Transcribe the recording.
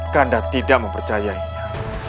kanda tidak mempercayainya